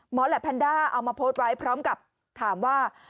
แหลปแพนด้าเอามาโพสต์ไว้พร้อมกับถามว่า